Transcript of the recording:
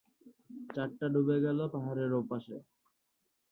চাঁদটা ডুবে গেল পাহাড়ের ওপাশে।